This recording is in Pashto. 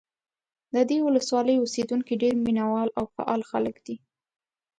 د دې ولسوالۍ اوسېدونکي ډېر مینه وال او فعال خلک دي.